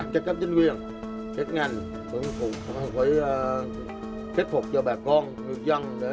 ảnh trách các chính viên các ngành phục vụ phải kết phục cho bà con ngư dân